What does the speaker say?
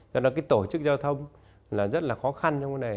do đó cái tổ chức giao thông là rất là khó khăn trong cái này